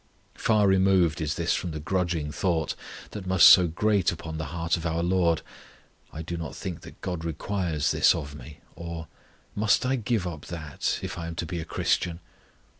Far removed is this from the grudging thought, that must so grate upon the heart of our LORD, "I do not think that GOD requires this of me"; or, "Must I give up that, if I am to be a Christian?"